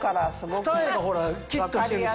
二重がほらキッとしてるしさ。